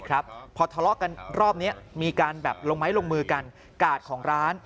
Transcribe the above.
พอทะเลาะกันรอบนี้มีการแบบลงไม้ลงมือกันกาดของร้าน